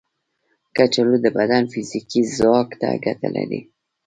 کچالو د بدن فزیکي ځواک ته ګټه لري.